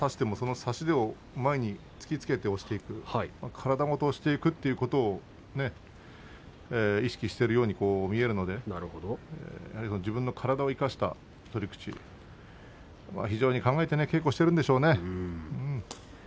差して前に突きつけて押していく体ごと押していくということを意識しているように見えるので自分の体を生かした取り口非常に考えて稽古をしているんでしょうね。